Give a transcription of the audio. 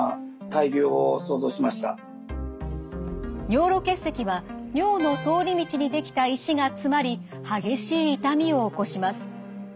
尿路結石は尿の通り道にできた石が詰まり激しい痛みを起こします。